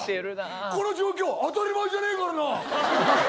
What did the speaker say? この状況当たり前じゃねえからな！